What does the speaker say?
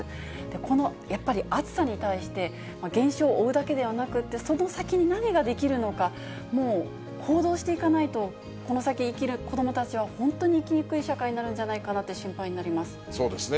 このやっぱり暑さに対して、現象を追うだけではなくって、その先に何ができるのか、もう行動していかないと、この先、生きる子どもたちは本当に生きにくい社会になるんじゃないかなとそうですね。